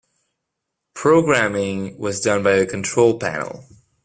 Programming was done by a control panel.